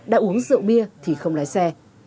đã uống rượu bia thì không lái xe